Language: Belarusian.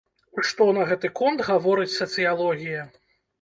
Што на гэты конт гаворыць сацыялогія?